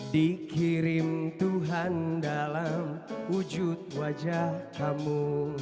dikirim tuhan dalam wujud wajah kamu